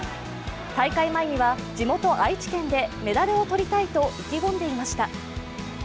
大会前には地元・愛知県でメダルを取りたいと意気込んでいました。